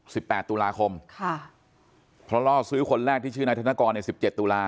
แปดตุลาคมค่ะเพราะล่อซื้อคนแรกที่ชื่อนายธนกรในสิบเจ็ดตุลา